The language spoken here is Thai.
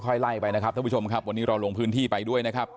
ไล่ไปนะครับท่านผู้ชมครับวันนี้เราลงพื้นที่ไปด้วยนะครับ